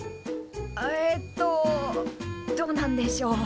えっとどうなんでしょ。